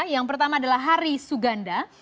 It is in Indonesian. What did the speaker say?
yang pertama adalah hari suganda